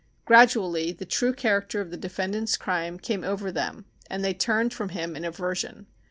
Gradually the true character of the defendant's crime came over them and they turned from him in aversion.